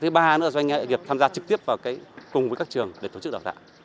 thứ ba nữa doanh nghiệp tham gia trực tiếp vào cái cùng với các trường để tổ chức đào tạo